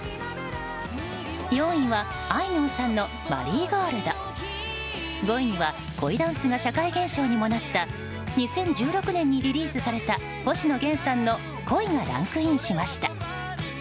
４位は、あいみょんさんの「マリーゴールド」５位には恋ダンスが社会現象にもなった２０１６年にリリースされた星野源さんの「恋」がランクインしました。